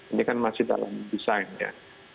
ini kan masih dalam desain ya